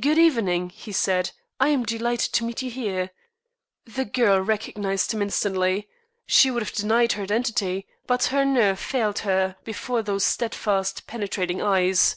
"Good evening," he said. "I am delighted to meet you here." The girl recognized him instantly. She would have denied her identity, but her nerve failed her before those steadfast, penetrating eyes.